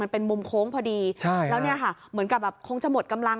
มันเป็นมุมโค้งพอดีแล้วเหมือนกับคงจะหมดกำลัง